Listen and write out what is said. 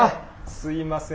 すいません